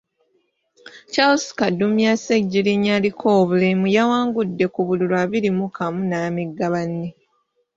Charles Kadumya Sseggiriinya aliko obulemu yawangudde ku bululu abiri mu kamu n’amegga banne.